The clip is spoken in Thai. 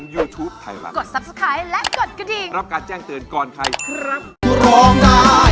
ยุ้ยกับเบ้นร้อง